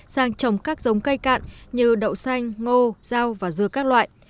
sang trồng các dống cây cạn như đậu xanh ngô dao và dưa các loại